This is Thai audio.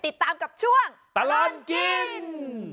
ติดตามกับช่วงตลอดกิน